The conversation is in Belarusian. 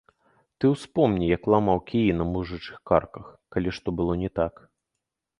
Ты ўспомні, як ламаў кіі на мужычых карках, калі што было не так.